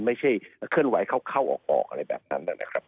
เคลื่อนไหวเข้าออกอะไรแบบนั้นนะครับ